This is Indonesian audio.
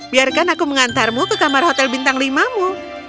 biarkan aku mengantarmu ke kamar hotel bintang limamu